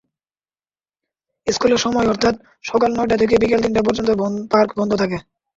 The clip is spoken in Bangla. স্কুলের সময় অর্থাৎ সকাল নয়টা থেকে বিকেল তিনটা পর্যন্ত পার্ক বন্ধ থাকে।